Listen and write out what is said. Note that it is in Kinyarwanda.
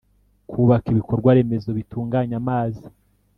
kubaka ibikorwaremezo bitunganya amazi